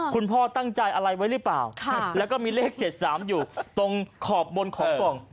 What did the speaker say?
คุณพ่อตั้งใจอะไรไว้หรือเปล่าแล้วก็มีเลข๗๓อยู่ตรงขอบบนของกล่อง